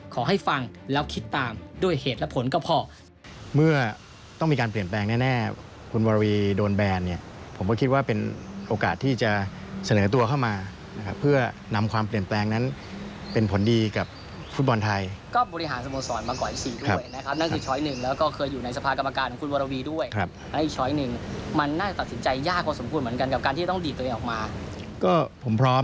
ขอให้ฟังแล้วคิดตามด้วยเหตุและผลก็พอ